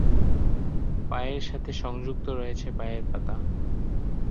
পায়ের সাথে সংযুক্ত রয়েছে পায়ের পাতা।